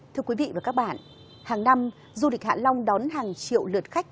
thưa quý vị và các bạn hàng năm du lịch hạ long đón hàng triệu lượt khách